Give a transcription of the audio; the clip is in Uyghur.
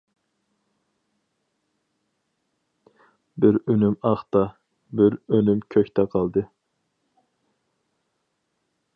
بىر ئۈنۈم ئاقتا، بىر ئۈنۈم كۆكتە قالدى.